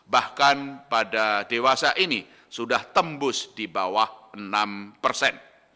bahkan pada dewasa ini sudah tembus di bawah enam persen